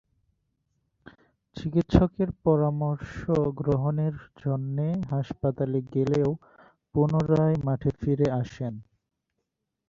চিকিৎসকের পরামর্শ গ্রহণের জন্যে হাসপাতালে গেলেও পুনরায় মাঠে ফিরে আসেন।